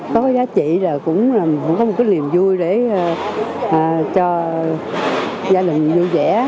có giá trị là cũng là có một cái niềm vui để cho gia đình vui vẻ